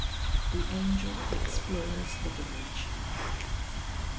THE ANGEL EXPLORES THE VILLAGE.